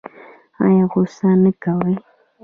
ایا غوسه نه کوي؟